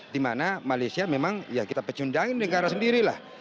dimana malaysia memang ya kita pecundangin negara sendiri lah